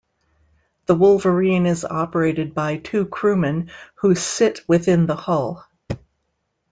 The Wolverine is operated by two crewmen who sit within the hull.